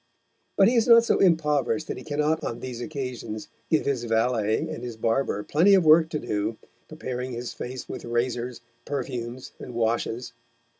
But he is not so impoverished that he cannot on these occasions give his valet and his barber plenty of work to do preparing his face with razors, perfumes and washes.